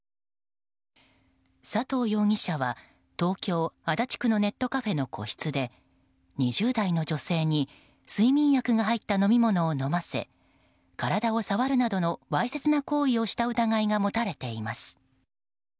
佐藤容疑者は東京・足立区のネットカフェの個室で２０代の女性に睡眠薬が入った飲み物を飲ませ体を触るなどのわいせつな行為をした疑いが持たれています。